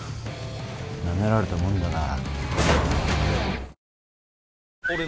なめられたもんだな。